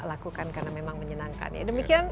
lakukan karena memang menyenangkan ya demikian